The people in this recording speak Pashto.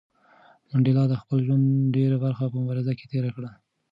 منډېلا د خپل ژوند ډېره برخه په مبارزه کې تېره کړه.